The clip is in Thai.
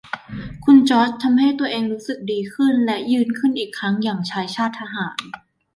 คุณจอร์จทำให้ตัวเองรู้สึกดีขึ้นและยืนขึิ้นอีกครั้งอย่างชายชาติทหาร